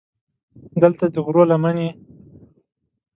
دلته دې د غرو لمنې.